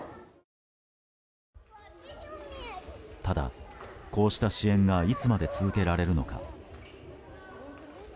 ただ、こうした支援がいつまで続けられるのか。